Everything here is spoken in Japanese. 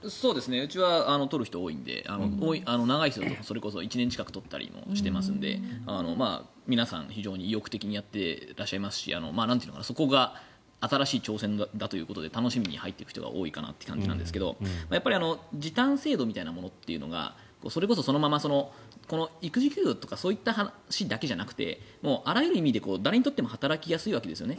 うちは取る人も多いので長い人だとそれこそ１年近く取ったりしていますので皆さん、非常に意欲的にやってらっしゃいますしそこが新しい挑戦だということで楽しみに入っていく人が多いと思うんですがやっぱり時短制度みたいなものというのがそれこそ、そのまま育児休業とかそういった話だけじゃなくてあらゆる意味で誰にとっても働きやすいわけですよね。